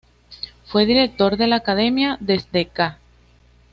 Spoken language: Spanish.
Fue director de la Academia desde ca.